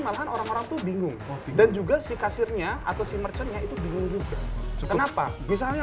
malahan orang orang tuh bingung dan juga si kasirnya atau si merchannya itu bingung juga kenapa misalnya